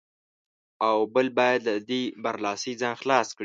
او بل باید له دې برلاسۍ ځان خلاص کړي.